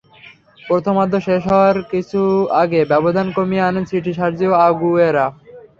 প্রথমার্ধ শেষ হওয়ার কিছু আগে ব্যবধান কমিয়ে আনেন সিটির সার্জিও আগুয়েরো।